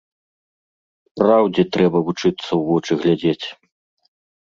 Праўдзе трэба вучыцца ў вочы глядзець.